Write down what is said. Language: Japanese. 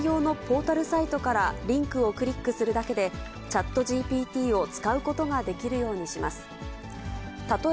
今月下旬に導入し、社内用のポータルサイトからリンクをクリックするだけで、ＣｈａｔＧＰＴを使うことができるようにします。